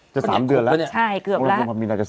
จะ๓เดือนแล้ว